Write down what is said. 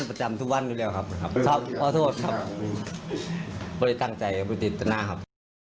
อยู่ระหว่างการตรวจสอบรวบรวมพยานหลักฐาน